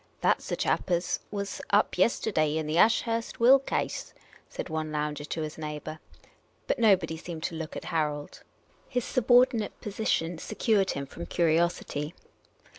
" That 's the chap as was up yesterday in the Ashurst will kise !" said one lounger to his neighbour. But nobody seemed to look at Harold ; his 302 Miss Cayley's Adventures subordinate position secured him from curiosity.